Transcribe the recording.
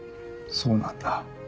そうなんだ。